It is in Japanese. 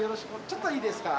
ちょっといいですか？